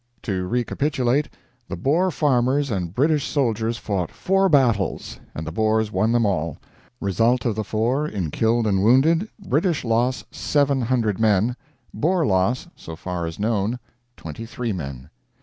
To recapitulate: The Boer farmers and British soldiers fought 4 battles, and the Boers won them all. Result of the 4, in killed and wounded: British loss, 700 men. Boer loss, so far as known, 23 men.